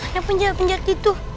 yang penjara penjara itu